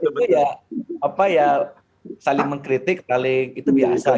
itu ya saling mengkritik itu biasa